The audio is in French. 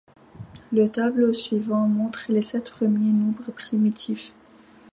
Le tableau suivant montre les sept premiers nombres primitifs.